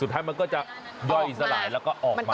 ให้มันก็จะย่อยอีสระหลายแล้วก็ออกมา